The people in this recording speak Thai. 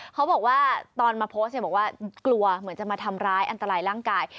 เขาบอกว่าตอนมาโพสต์เนี่ยบอกว่ากลัวเหมือนจะมาทำร้ายอันตรายร่างกาย